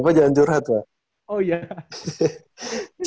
gapapa jangan curhat lah